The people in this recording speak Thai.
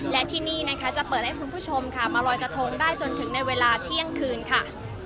และที่นี่นะคะจะเปิดให้คุณผู้ชมค่ะมาลอยกระทงได้จนถึงในเวลาเที่ยงคืนค่ะ